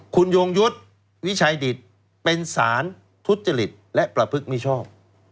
คุณโยงยุทธิ์วิชัยดิตเป็นสารทุจจฤทธิ์และประพฤกษ์มีชอบ